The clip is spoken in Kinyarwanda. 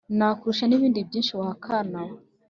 Nkakurusha n'ibindi byinshi wa kana we